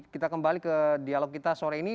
kita kembali ke dialog kita sore ini